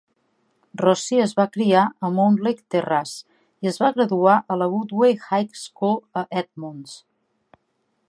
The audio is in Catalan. Rossi es va criar a Mountlake Terrace i es va graduar a la Woodway High School a Edmonds.